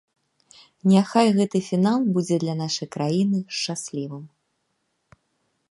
Няхай гэты фінал будзе для нашай краіны шчаслівым!